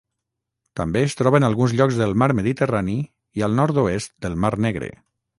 També es troba en alguns llocs del Mar Mediterrani i al nord-oest del Mar Negre.